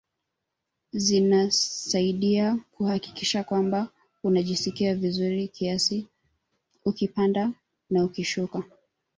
Zinasaidia kuhakikisha kwamba unajisikia vizuri kiasi ukipanda na ukishuka